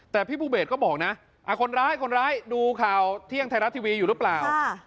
แต่พี่ภูเบสก็บอกนะคนร้ายคนร้ายดูข่าวเที่ยงไทยรัฐทีวีอยู่หรือเปล่า